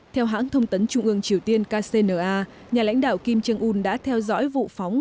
theo hãng thông tấn trung ương triều tiên kcna nhà lãnh đạo kim trương un đã theo dõi vụ phóng